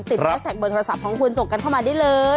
แฮชแท็กเบอร์โทรศัพท์ของคุณส่งกันเข้ามาได้เลย